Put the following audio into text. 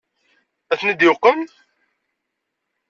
Ad ten-id-uqmen?